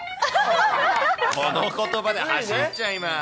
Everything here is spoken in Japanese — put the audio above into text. このことばで走っちゃいます。